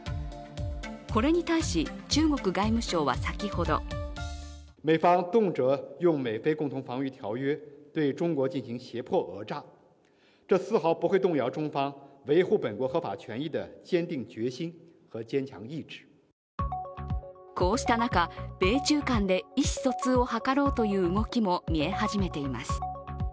これに対し中国外務省は先ほどこうした中、米中間で意思疎通を図ろうという動きも見え始めています。